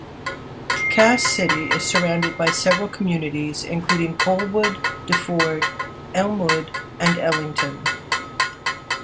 Cass City is surrounded by several communities including Colwood, Deford, Elmwood and Ellington.